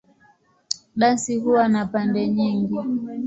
Dansi huwa na pande nyingi.